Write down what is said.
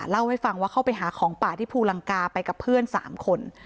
เล่าให้ฟังว่าเข้าไปหาของป่าที่ภูลังกาไปกับเพื่อน๓คน